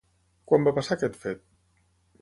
Quan va passar aquest fet?